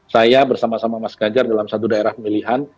saya bersama sama mas ganjar dalam satu daerah pemilihan